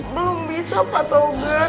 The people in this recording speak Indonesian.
belum bisa pak togar